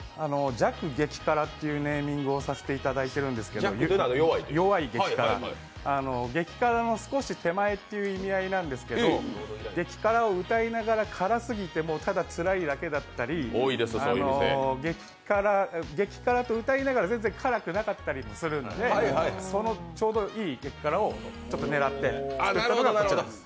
弱激辛というネーミングをさせていただいているんですけど、弱い激辛、激辛の少し手前という意味合いなんですけど激辛をうたいながら辛すぎてもただつらいだけだったり、激辛とうたいながら、全然辛くなかったりするのでそのちょうどいい激辛を狙ってできたのがこちらです。